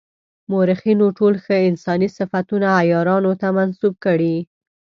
مورخینو ټول ښه انساني صفتونه عیارانو ته منسوب کړي.